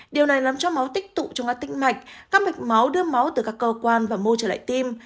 điều này làm cho máu tích tụ trong các tĩnh mạch các mạch máu đưa máu từ các cơ quan và mô trở lại tim